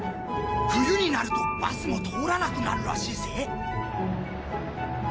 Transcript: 冬になるとバスも通らなくなるらしいぜ。